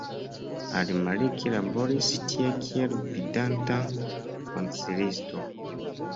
Al-Maliki laboris tie kiel gvidanta konsilisto.